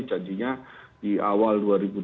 janjinya di awal dua ribu dua puluh empat